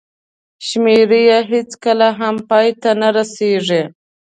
شمېرې هېڅکله هم پای ته نه رسېږي.